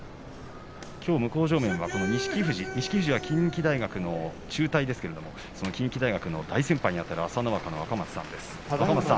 向正面は錦富士近畿大学の中退ですけれども近畿大学の大先輩にあたる若松さんです。